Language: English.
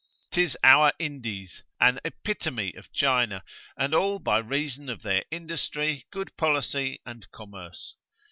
'Tis our Indies, an epitome of China, and all by reason of their industry, good policy, and commerce.